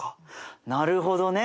なるほどね。